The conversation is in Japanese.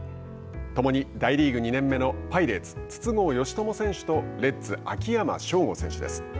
ともに大リーグ２年目のパイレーツ筒香嘉智選手とレッズ秋山翔吾選手です。